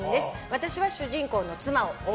私は、主人公の妻を。